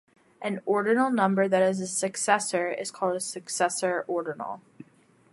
An ordinal number that is a successor is called a successor ordinal.